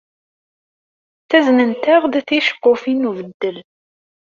Ttaznent-aɣ-d ticeqqufin n ubeddel.